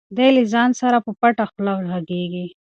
دی له ځان سره په پټه خوله غږېږي.